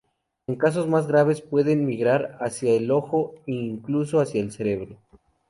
En casos más graves pueden migrar hacia el ojo e incluso hacia el cerebro.